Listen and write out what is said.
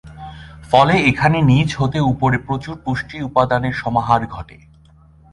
ফলে এখানে নিচ হতে ওপরে প্রচুর পুষ্টি উপাদানের সমারোহ ঘটে।